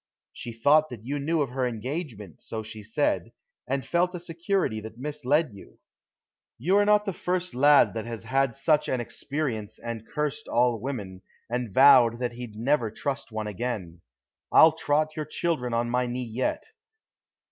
She thought that you knew of her engagement, so she said, and felt a security that misled you. You are not the first lad that has had such an experience and cursed all women, and vowed that he'd never trust one again. I'll trot your children on my knee yet.